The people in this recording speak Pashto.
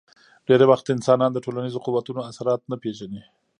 ډېری وخت انسانان د ټولنیزو قوتونو اثرات نه پېژني.